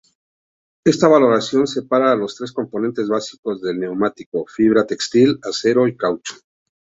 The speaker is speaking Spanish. Esta valorización separa los tres componentes básicos del neumático: fibra textil, acero y caucho.